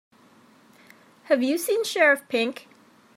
Have you seen Sheriff Pink?